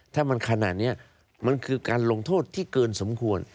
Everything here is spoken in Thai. ถ้ามันขนาดนี้มันคือการลงโทษที่เกินสมควร